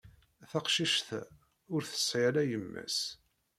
Taqcict-a ur tesɛi ara yemma-s.